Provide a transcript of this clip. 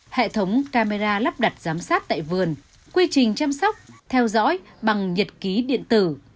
hệ thống camera lắp đặt giám sát tại vườn quy trình chăm sóc theo dõi bằng nhật ký điện tử